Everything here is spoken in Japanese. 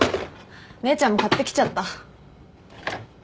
姉ちゃんも買ってきちゃった。